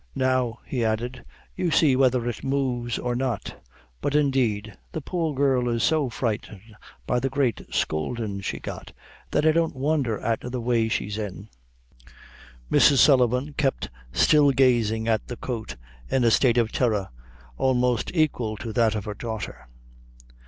"Now," he added, "you see whether it moves or not; but, indeed, the poor girl is so frightened by the great scowldin' she got, that I don't wondher at the way she's in." Mrs. Sullivan kept still gazing at the coat, in a state of terror almost equal to that of her daughter.